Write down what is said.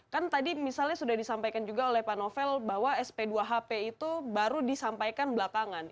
kan tadi misalnya sudah disampaikan juga oleh pak novel bahwa sp dua hp itu baru disampaikan belakangan